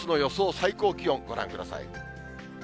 最高気温、ご覧ください。